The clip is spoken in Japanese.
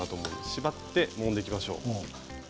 縛ってもんでいきましょう。